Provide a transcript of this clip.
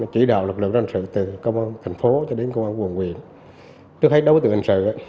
chỉ đạo lực lượng hình sự